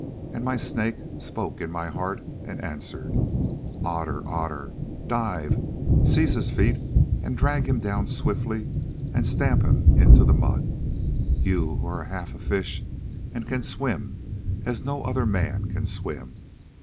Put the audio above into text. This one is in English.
And my snake spoke in my heart and answered, 'Otter, Otter, dive, seize his feet, and drag him down swiftly and stamp him into the mud, you who are half a fish and can swim as no other man can swim.